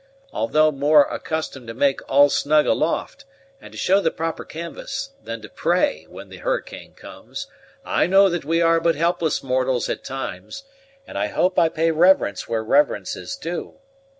Although more accustomed to make all snug aloft, and to show the proper canvas, than to pray when the hurricane comes, I know that we are but helpless mortals at times, and I hope I pay reverence where reverence is due.